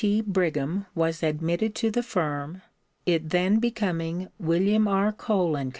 T. Brigham was admitted to the firm, it then becoming Wm. R. Cole & Co.